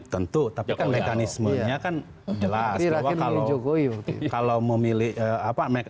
tentu tapi kan mekanismenya kan jelas